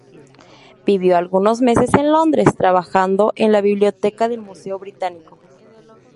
Vivió algunos meses en Londres, trabajando en la biblioteca del Museo Británico.